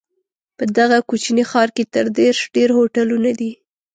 په دغه کوچني ښار کې تر دېرش ډېر هوټلونه دي.